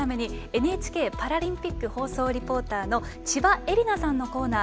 ＮＨＫパラリンピック放送リポーターの千葉絵里菜さんのコーナー